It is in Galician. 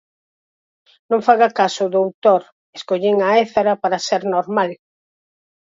_Non faga caso, doutor, escollín a Ézara para ser normal.